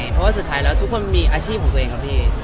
เพราะว่าสุดท้ายแล้วทุกคนมีอาชีพของตัวเองครับพี่